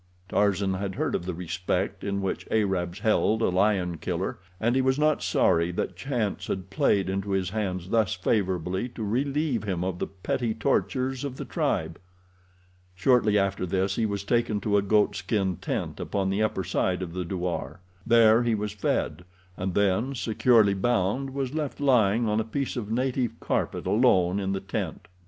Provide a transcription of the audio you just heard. Tarzan had heard of the respect in which Arabs held a lion killer, and he was not sorry that chance had played into his hands thus favorably to relieve him of the petty tortures of the tribe. Shortly after this he was taken to a goat skin tent upon the upper side of the douar. There he was fed, and then, securely bound, was left lying on a piece of native carpet, alone in the tent.